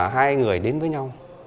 hai người đến với nhau